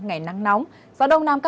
ngày nay là ngày mưa đêm không mưa